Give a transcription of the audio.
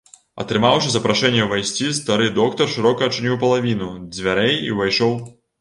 Атрымаўшы запрашэнне ўвайсці, стары доктар шырока адчыніў палавіну дзвярэй і ўвайшоў.